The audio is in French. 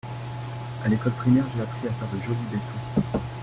À l'école primaire j'ai appris à faire de joli dessins.